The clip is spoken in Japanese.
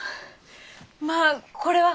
まあこれは！